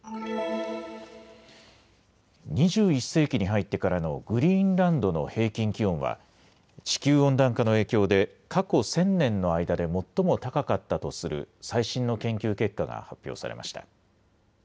２１世紀に入ってからのグリーンランドの平均気温は地球温暖化の影響で過去１０００年の間で最も高かったとする最新の研究結果が発表されました。